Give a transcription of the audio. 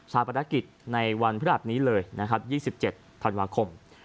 สารปฏิกิจในวันพฤหัสนี้เลยนะครับยี่สิบเจ็ดธันวาคม